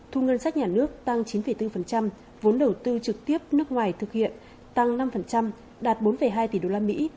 thu ngân sách nhà nước tăng chín bốn vốn đầu tư trực tiếp nước ngoài thực hiện tăng năm đạt bốn hai tỷ usd